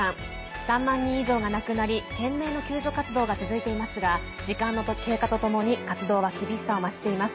３万人以上が亡くなり懸命の救助活動が続いていますが時間の経過とともに活動は厳しさを増しています。